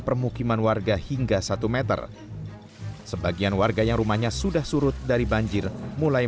permukiman warga hingga satu meter sebagian warga yang rumahnya sudah surut dari banjir mulai